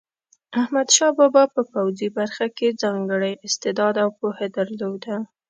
احمدشاه بابا په پوځي برخه کې ځانګړی استعداد او پوهه درلوده.